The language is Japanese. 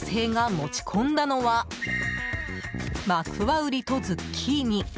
持ち込んだのはマクワウリとズッキーニ。